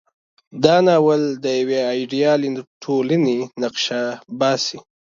دا ناول د یوې ایډیالې ټولنې نقشه باسي.